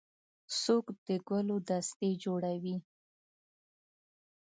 څوک د ګلو دستې جوړوي.